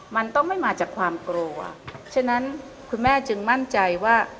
มันต้องไม่มาจากความกลัวฉะนั้นคุณแม่จึงมั่นใจว่า